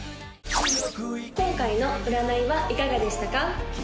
今回の占いはいかがでしたか？